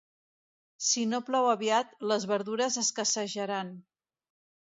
Si no plou aviat, les verdures escassejaran.